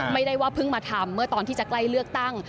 ไม่ได้ว่าเพิ่งมาทำเมื่อตอนที่จะใกล้เลือกตั้ง